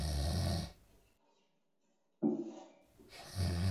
曾获国科会优等研究奖及中华民国教育部教学特优教师奖。